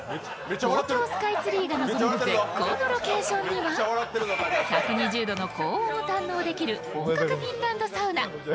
東京スカイツリーが望める絶好のロケーションには１２０度の高温を堪能できるフィンランドサウナ。